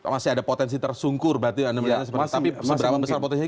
masih ada potensi tersungkur tapi seberapa besar potensi ini